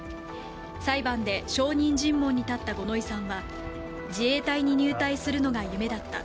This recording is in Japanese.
裁判で証人尋問に立った五ノ井さんは自衛隊に入隊するのが夢だった、